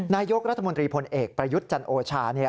นายกรัฐมนตรีพลเอกประยุทธ์จันโอชา